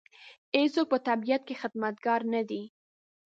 هېڅوک په طبیعت کې خدمتګار نه دی.